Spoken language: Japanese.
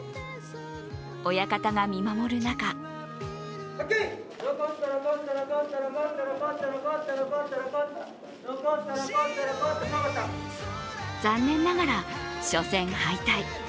親方が見守る中残念ながら、初戦敗退。